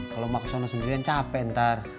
kalo mak ke sana sendirian capek ntar